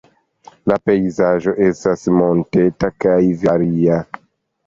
La pejzaĝo estas monteta kaj varia.